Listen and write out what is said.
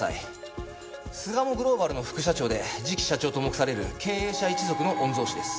巣鴨グローバルの副社長で次期社長と目される経営者一族の御曹司です。